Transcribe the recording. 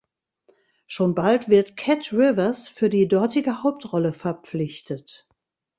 Schon bald wird Kat Rivers für die dortige Hauptrolle verpflichtet.